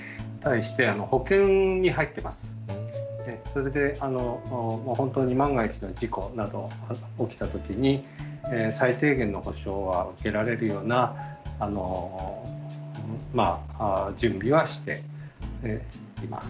それで本当に万が一の事故など起きた時に最低限の保障は受けられるような準備はしています。